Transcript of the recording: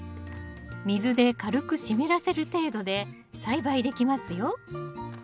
水で軽く湿らせる程度で栽培できますよ